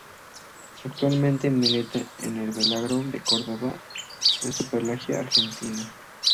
Actualmente milita en Belgrano de Córdoba de la Superliga Argentina.